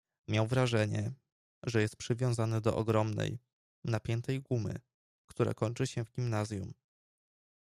” Miał wrażenie, że jest przywiązany do ogromnej, napiętej gumy, która kończy się w gimnazjum.